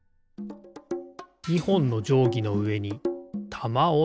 ２ほんのじょうぎのうえにたまをのせる。